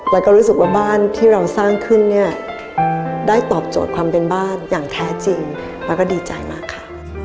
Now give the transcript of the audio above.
แล้วก็รู้สึกว่าบ้านที่เราสร้างขึ้นเนี่ยได้ตอบโจทย์ความเป็นบ้านอย่างแท้จริงแล้วก็ดีใจมากค่ะ